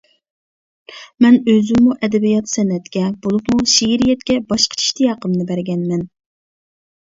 مەن ئۆزۈممۇ ئەدەبىيات-سەنئەتكە، بولۇپمۇ شېئىرىيەتكە باشقىچە ئىشتىياقىمنى بەرگەنمەن.